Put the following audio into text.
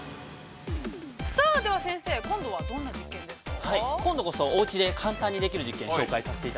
◆さあでは、先生、今度はどんな実験ですか。